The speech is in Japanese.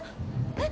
えっ